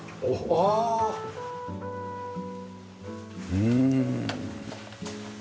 うん。